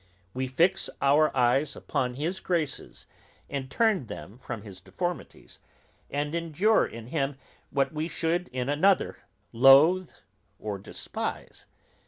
We fix our eyes upon his graces, and turn them from his deformities, and endure in him what we should in another loath or despise.